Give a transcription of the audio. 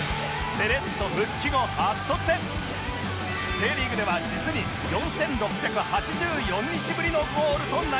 Ｊ リーグでは実に４６８４日ぶりのゴールとなりました